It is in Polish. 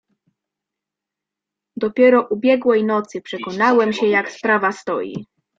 "Dopiero ubiegłej nocy przekonałem się jak sprawa stoi."